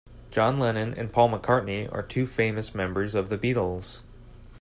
John Lennon and Paul McCartney are two famous members of the Beatles.